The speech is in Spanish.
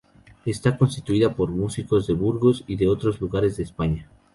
Está constituida por músicos de Burgos y de otros lugares de España.